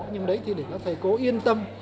nhưng đấy thì để các thầy cô yên tâm